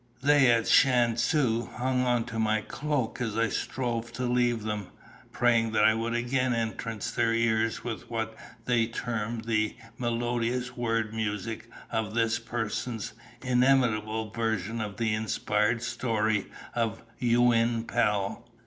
They at Shan Tzu hung on to my cloak as I strove to leave them, praying that I would again entrance their ears with what they termed the melodious word music of this person's inimitable version of the inspired story of Yuin Pel."